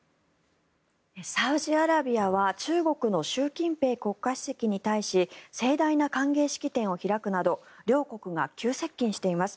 サウジアラビアは中国の習近平国家主席に対し盛大な歓迎式典を開くなど両国が急接近しています。